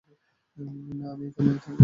না, আমি এখানে একা থাকতে পারবো না।